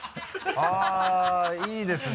あぁいいですね。